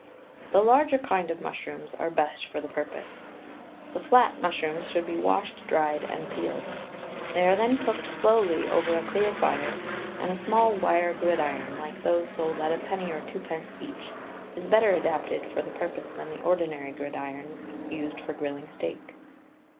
The larger kinds of mushrooms are best for the purpose. The flat mushrooms should be washed, dried, and peeled. They are then cooked slowly over a clear fire, and a small wire gridiron, like those sold at a penny or twopence each, is better adapted for the purpose than the ordinary gridiron used for grilling steak.